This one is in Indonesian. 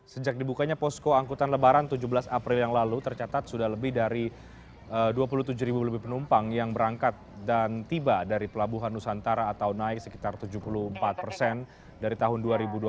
sejak dibukanya posko angkutan lebaran tujuh belas april yang lalu tercatat sudah lebih dari dua puluh tujuh ribu lebih penumpang yang berangkat dan tiba dari pelabuhan nusantara atau naik sekitar tujuh puluh empat persen dari tahun dua ribu dua puluh